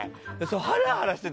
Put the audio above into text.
ハラハラしてた。